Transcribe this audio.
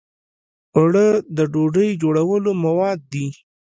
اوړه د ډوډۍ جوړولو مواد دي